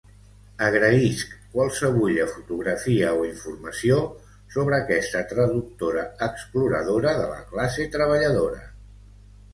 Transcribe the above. Agraïsc qualsevulla fotografia o informació sobre aquesta traductora exploradora de la classe treballadora